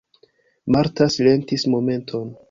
Marta silentis momenton.